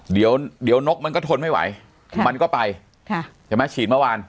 เดี๋ยวนกมันก็ทนไม่ไหวมันก็ไปค่ะใช่ไหมฉีดเมื่อวาน